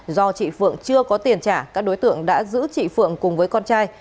do chị phượng chưa có tiền trả các đối tượng đã giữ chị phượng cùng với con trai